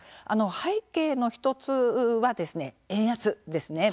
背景の１つは円安です。